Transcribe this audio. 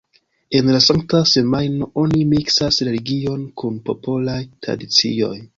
En la Sankta Semajno oni miksas religion kun popolaj tradicioj.